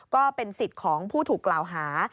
ก็เป็นสิทธิ์ของผู้ถูกกล่าวหา